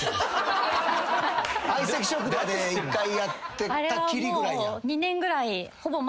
『相席食堂』で１回やったきりぐらい。